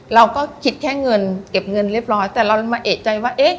เราก็คิดแค่เก็บเงินเรียบร้อยแต่เราก็มาเอกใจว่า